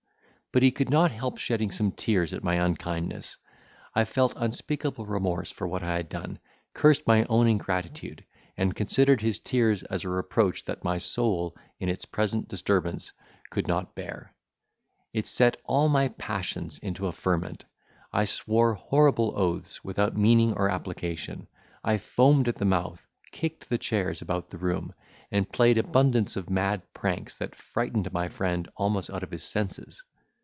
But he could not help shedding some tears at my unkindness. I felt unspeakable remorse for what I had done, cursed my own ingratitude, and considered his tears as a reproach that my soul, in its present disturbance, could not bear. It set all my passions into a ferment: I swore horrible oaths without meaning or application. I foamed at the mouth, kicked the chairs about the room, and played abundance of mad pranks that frightened my friend almost out of his senses.